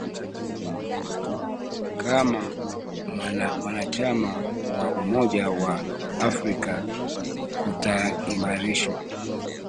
kama mwanachama wa umoja wa afrika kutaimarisha